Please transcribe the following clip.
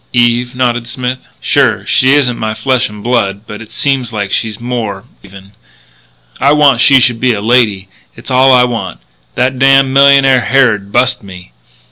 "Eve," nodded Smith. "Sure. She isn't my flesh and blood. But it seems like she's more, even. I want she should be a lady. It's all I want. That damned millionaire Harrod bust me.